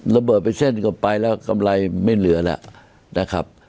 ระเบิดไปเส้นก็ไปแล้วกำไรไม่เหลือแล้วนะครับ